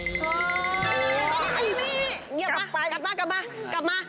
เงียบมากลับมากลับมา